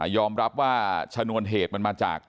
ยอมรับว่าชนวนเหตุมันมาจาก